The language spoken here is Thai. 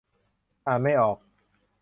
อ่านไม่ออก